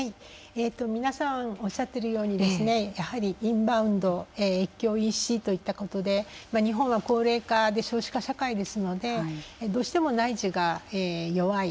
皆さんおっしゃっているようにやはりインバウンド越境ＥＣといったことで日本は高齢化で少子化社会ですのでどうしても内需が弱い。